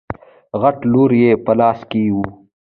غټ لور يې په لاس کې و.